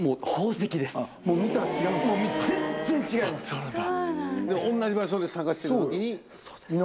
そうなんだ。